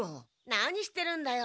何してるんだよ。